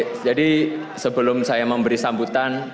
ya jadi sebelum saya memberi sambutan